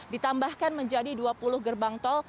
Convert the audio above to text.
ditambahkan menjadi dua puluh gerbang tol